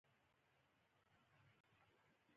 آیا دا شرکتونه ډیر کارګران نلري؟